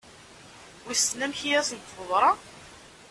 Wissen amek i asent-teḍra?